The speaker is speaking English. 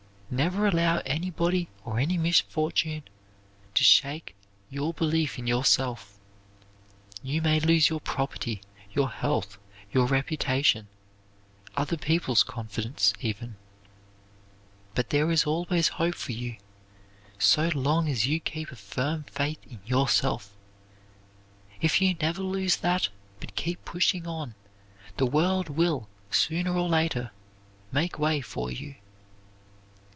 Never allow anybody or any misfortune to shake your belief in yourself. You may lose your property, your health, your reputation, other people's confidence, even; but there is always hope for you so long as you keep a firm faith in yourself. If you never lose that, but keep pushing on, the world will, sooner or later, make way for you.